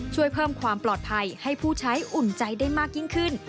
ช่วยเพิ่มความปลอดภัยให้ผู้ใช้อุ่นใจได้มากยิ่งขึ้น